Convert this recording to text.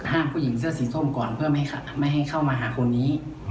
ผู้หญิงเสื้อสีส้มก่อนเพื่อไม่ให้เข้ามาหาคนนี้